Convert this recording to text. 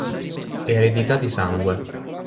Eredità di sangue